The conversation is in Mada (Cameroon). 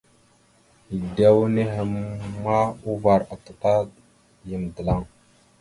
Edewa henne ma uvar ataɗ yam dəlaŋ.